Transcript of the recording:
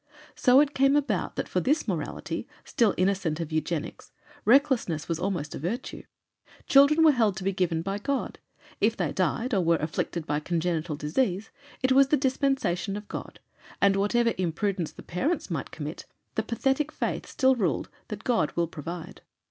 So it came about that for this morality, still innocent of eugenics, recklessness was almost a virtue. Children were held to be given by God; if they died or were afflicted by congenital disease, it was the dispensation of God, and, whatever imprudence the parents might commit, the pathetic faith still ruled that "God will provide."